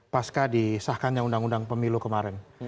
pasca disahkannya undang undang pemilu kemarin